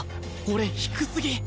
俺低すぎ